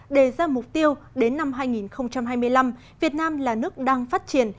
đề ra mục tiêu đến năm hai nghìn hai mươi năm việt nam là nước đang phát triển